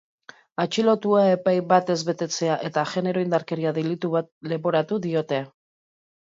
Atxilotua epai bat ez betetzea eta genero indarkeria delitu bat leporatu diote.